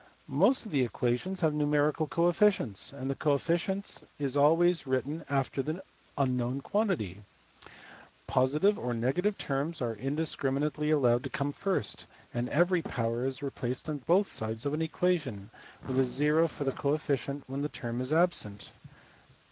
Most of the equations have numerical coefficients, and the coefficient is always written after the un known quantity. Positive or negative terms are indiscrimi nately allowed to come first ; and every power is repeated on both sides of an equation, with a zero for the coefficient when the term is absent.